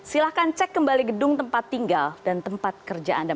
silahkan cek kembali gedung tempat tinggal dan tempat kerja anda